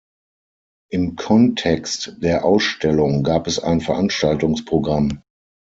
Im Kontext der Ausstellung gab es ein Veranstaltungsprogramm.